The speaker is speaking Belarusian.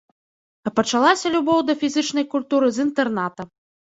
А пачалася любоў да фізічнай культуры з інтэрната.